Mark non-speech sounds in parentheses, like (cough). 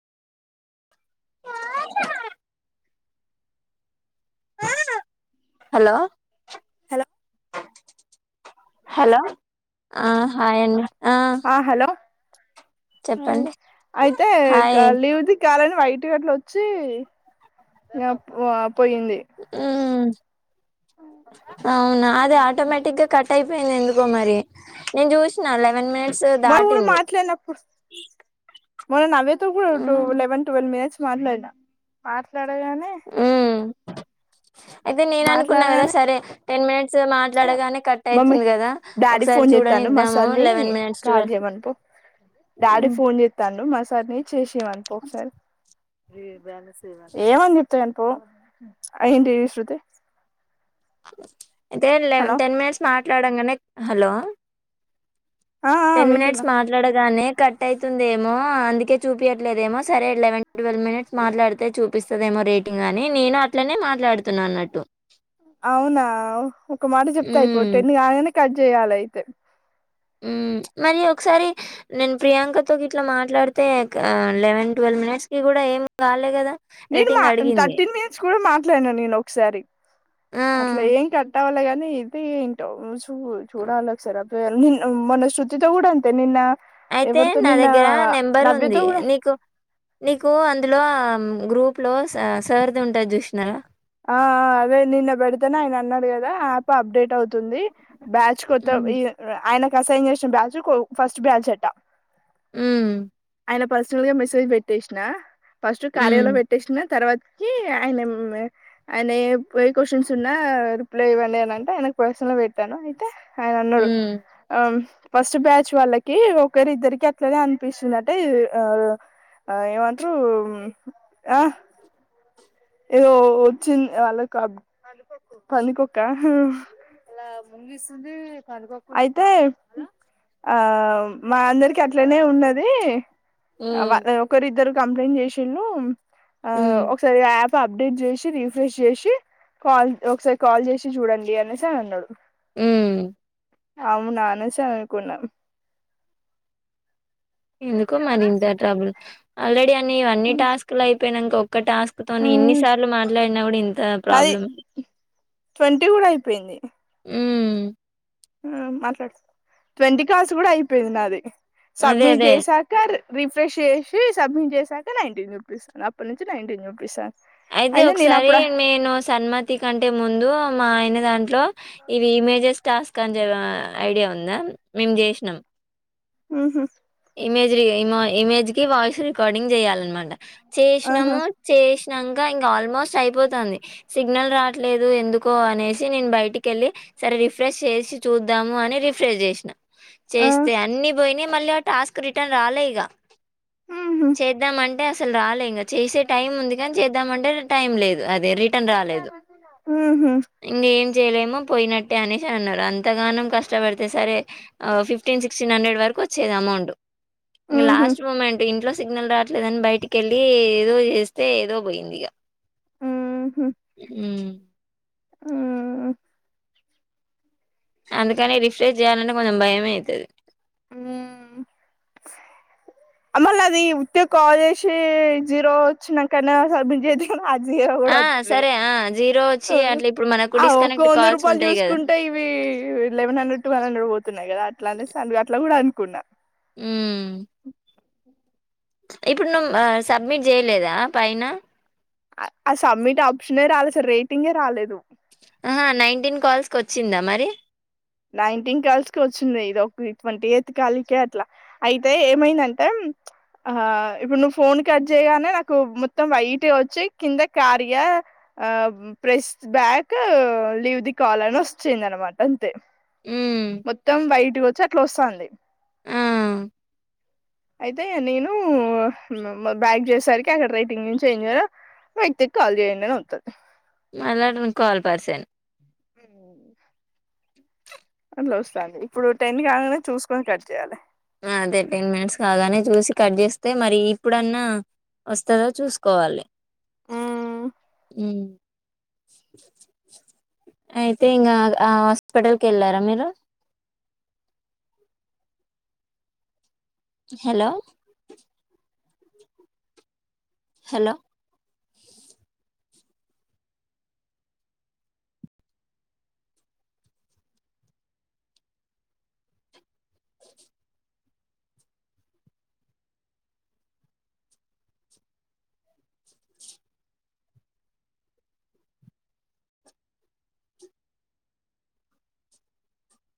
ఆ (inaudible) hello hello hello ఆ హాయండి ఆ హలో ఆ చెప్పండి అయితే హాయ్ లీవ్ది కాలను లైట్ గట్ల వచ్చి అప్ పో పోయింది మ్మ్ అవునా అదే ఆటోమేటిక్గా కట్ అయి యింది ఎందుకో మరి నేను చూసిన లెవెన్ మినిట్ మారీ ఇప్పుడు మాట్లాడినప్పుడు మొన్న నవ్య తో కూడా టూ మ్మ్ వెన్ ట్వల్వ్ మినిట్స్ మాట్లాడినా మాట్లా వేయగానే వే మ్మ్ అయితే నేను అనుకున్నా కదా సరే టెన్ మినిట్స్ సరే మాట్లాడగానే కట్ మమ్మీ అవుతుంది కదా డాడీ ఒకసారి ఫోన్ చూడని చేస్తాండు మా ఇద్దాము సార్ని లెవెన్ మినిట్స్ కాల్ ట్వెల్ చేయమనిపో డాడీ ఫోన్ చేత్తాండు మస్ కర్రీ చేసేమను పో ఒకసారి శివ పో ఆ ఏంటివి శ్రుతి అయితేె లెవ్ టెన్ మినిట్స్ మాట్లాడంగానే హలో ఆ ఆ టెన్ మినిట్స్ వింటున్నా మాట్లాడగానే కట్ అవుతుందేమో అందుకే చూపయట్లేదేమో సరే లెవెన్ ట్వెల్వ్ మినిట్స్ మాట్లాడితే చూపిస్తదేమో కట్ రేటింగ్ అని నేను అట్లనే మాట్లాడుతున్నా అన్నట్టు అవునా ఒక మాట చెప్తా ఇయిపో హ్మ్. టెన్ కాగాగానే కట్ చేయాల అయితే ఉమ్ మరి ఒకసారి నేను ప్రియాంక తోకి ఇట్లా మాట్లాడితే ఆ లెవెన్ ట్వెల్ టెన్ మినిట్స్ కి కూడా ఏమి కాలే గదా నేను మా థర్టీన్ మినిట్స్ కూడా మాట్లాడినా నేను ఒకసారి ఆ! అట్లా ఏం కట్టావ్వాలే గానీ ఇది ఏంటో చూ చూడాల ఒక సారి ఆ నిన్న మొన్న శృతితో కూడా అంతే నిన్న అయితే ఎవరితో నా నిన్న దగ్గర నెంబర్ నవ్యతో ఉంది కూడా నీకు నీకు అందులో హ్మ్ గ్రూప్ లో సార్ సార్ది ఉంటది చూసినారా ఆ ఆ అదే నిన్న పెడతేనే ఆయన అన్నాడు కదా ఆప్ అప్డేట్ అవుతుంది అవుతుంది బ్యాచ్ కొత్త హ్మ్. ఈ ఆయనకు అసైన్ చేసిన బ్యాచ్ ఫస్ట్ బ్యాచ్ అట ఉమ్ ఆయన పర్సనల్ గా మెసేజ్ పెట్టేసిన ఫస్ట్ కార్యలో హ్మ్. పెట్టేసిన తర్వాత ఏ ఆయన ఏం ఆయన ఏ ఏ క్వశ్చన్స్ ఉన్నా రిప్లై ఇవ్వండి అని అంటే ఆయనకు పర్సనల్ లో పెట్టాను అయితే ఆయన అన్నాడు హ్మ్. ఆహ్ ఫస్ట్ బ్యాచ్ వాళ్ళకి ఒకరి ఇద్దరికి అట్లనే అనిపిస్తుందంటే ఈ ఆ ఆ ఏవంట్రు ఆ ఏదో వచ్చింది వాళ్ళకు అప్ పందికొక్క అలా ముంగిసుంది పందికొక్కుంది ఆ అయితే ఆ మా అందరికి అట్లనే ఉన్నది హ్మ్. వారి ఒకరిద్దరు కంప్లైంట్ చేసురు ఆ హ్మ్. ఒకసారి యాప్ సో అప్డేట్ జేసి రిఫ్రెష్ జేసి కాల్ ఒకసారి కాల్ జేసి చూడండి అనేసి అని అన్నాడు ఉమ్ అవున అనూష అనుకున్నా ఎందుకో మరి ఇంత ట్రబుల్ ఆల్రెడీ అన్ని ఇవన్నీ టాస్క్ లు అయిపోయినాక ఒక్క టాస్క్ తోని ఇన్నిసార్లు మాట్లాడినా కూడా ఇంత నాది ప్రాబ్లం ట్వంటీ గుడా అయిపోయింది ఉమ్ ఆ మాట్లాడు ట్వంటీ కాల్స్ కూడా అయిపోయింది నాది అదే. సబ్మిట్ అదే. చేశాక రిఫ్రెష్ చేసి సబ్మిట్ చేసాక నైన్టీన్ చూపిస్తుంది అది అప్పటి నుంచి నైన్టీన్ చూపిస్తుంది అయితే ఒకసారి నేను సన్మతి కంటే ముందు మా ఆయన దాం. లో ఇవి ఇమేజెస్ టాస్క్ అని చెప్పి ఆహ్ ఐడియా ఉందా మేము చేసినాం. ఉహు. ఇమేజ్ ఇము ఇమేజ్ కి వాయిస్ రికార్డింగ్ చేయాలన్నమాట ఆహా చేసినాము చేసి ఇంక ఇంకా ఆల్మోస్ట్ అయిపోతంది సిగ్నల్ రాట్లేదు ఎందుకో అనేసి నేను బయటికెళ్ళి. సరే రిఫ్రెష్ చేసి చూద్దాము అని రిఫ్రెష్ చేసినా ఆ చేస్తే అన్ని పోయినాయి మళ్ళీ. టాస్క్ రిటర్న్ రాలే ఇగ. ఉహు చేద్దాంమంటే అసలు రాలే ఇంకా చేసే టైం ఉంది కానీ చేద్దామంటే టైం లేదు అది. దే రిటర్న్ రాలేదు ఉహు ఇంక ఏం చేయలేమో పోయిన. తే అనేసి అన్నారు అంతగానం కష్టపడితే సరే ఫిఫ్టీన్ సిక్స్టీన్ హండ్రెడ్ వరకు వచ్చేది అమౌంట్. ఇంకా ఉహు లాస్ట్ మూమెంట్ ఇంట్లో. సిగ్నల్ రావట్లేదని బయటికెళ్లి ఏదో చేస్తే ఏదో పోయింది ఇగ. ఉమ్. ఉమ్. అందుకని రిఫ్రెష్ చేయాలంటే కొంచెం భయమే అయితది. ఉమ్. ఆహ్ మళ్ళా అది ఉత్తీగ కాల్ చేసి జీరో వచ్చినాంకనే ఆహ్ సబ్మిట్ చేయండి. అది జీరో కూడా ఆ వస్తాలే సరే ఆ జీరో వచ్చి ఆహ్ అట్లా ఇప్పుడు మనకు ఆ ఒక్క డిస్కనెక్ట్ వంద కాల్స్ రూపాయలు ఉంటాయి కదా చూసుకుంటే. ఇవి లెవెన్ హండ్రెడ్ టువెవ్ హండ్రెడ్ పోతున్నాయి కదా అట్లానే సర్లే అట్లా కూడా అనుకున్నా. ఉమ్. ఇప్పుడు నువ్వు ఆహ్ సబ్మిట్ చేయలేదా పైన. ఆ సబ్మిట్ ఆప్షనే రాలేదు అసలు రేటింగే రాలేదు. ఆహ్ నైన్టీన్ కాల్స్ కి వచ్చిందా మరి. నైన్టీన్ కల్స్ కి వచ్చింది. ఇదోక ట్వంటీ ఎయిత్ కాలుకే అట్లా అయితే ఏమైందంటే ప్చ్. ఆహ్ ఇప్పుడు నువ్వు ఫోన్ కట్ చేయగానే నాకు మొత్తం వైట్ గా వచ్చి కింద కార్య. ఆహ్ press back leave the call అని వచ్చేంది అనమాట అంతే. హ్మ్ మొత్తం వైటుగా వచ్చి అట్లా వస్తంది. ఆ అయితే నేను బ్యాక్ చుసేసరికి అక్కడ రైటింగ్ నుంచి ఏం చేయర. వ్యక్తికి కాల్ చేయండి అని వస్తది. మళ్ళ అది కాల్ పర్సాన్. హ వస్తంది ఇప్పుడు టెన్ కాగానే చూసుకొని కట్ చేయాలి. ఆహ్ అదే టెన్ మినిట్స్ కాగానే చూసి కట్ చేస్తే మరి ఇప్పుడన్నా. వస్తదా చూసుకోవాలి. ఆహ్. ఉమ్. అయితే ఇంకా ఆ హాస్పిటల్ కి వెళ్ళారా మీరు. అ హలో. హలో.